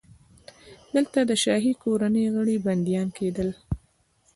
دلته د شاهي کورنۍ غړي بندیان کېدل.